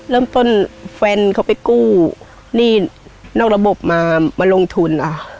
แฟนเขาไปกู้หนี้นอกระบบมาลงทุน